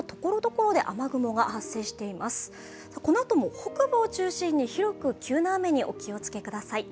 このあとも北部を中心に広く急な雨にお気を付けください。